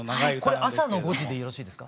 これ朝の５時でよろしいですか？